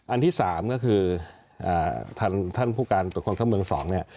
อันที่๓ก็คือท่านผู้การตรวจคนเข้าเมือง๒เนี่ย